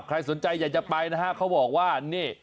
ใครสนใจอยากจะไปนะฮะเขาบอกว่านี่